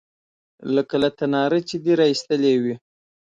_لکه له تناره چې دې را ايستلې وي.